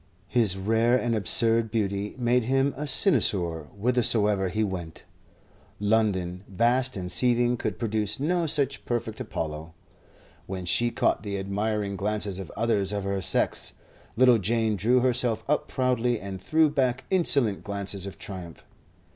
His rare and absurd beauty made him a cynosure whithersoever he went. London, vast and seething, could produce no such perfect Apollo. When she caught the admiring glances of others of her sex, little Jane drew herself up proudly and threw back insolent glances of triumph.